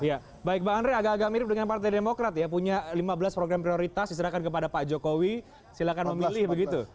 ya baik bang andre agak agak mirip dengan partai demokrat ya punya lima belas program prioritas diserahkan kepada pak jokowi silahkan memilih begitu